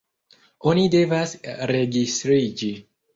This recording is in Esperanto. Oni devas registriĝi.